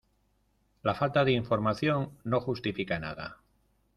La falta de información no justifica nada.